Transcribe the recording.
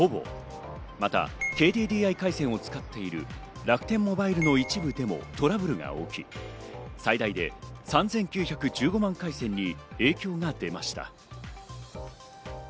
また、ＫＤＤＩ回線を使っている楽天モバイルの一部でもトラブルが起き、最大で３９１５万回線に影響が出ました。